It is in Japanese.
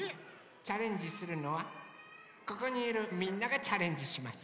チャレンジするのはここにいるみんながチャレンジします。